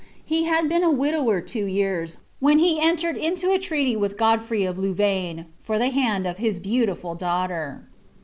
He had been a widower iwo vears, when he entered into a treaty with Godfrey of Louvaine {at iha hand of his beautiful daughter.